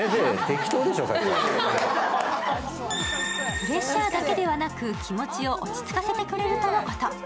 プレッシャーだけではなく気持ちを落ち着かせてくれるとのこと。